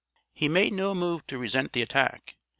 He made no move to resent the attack.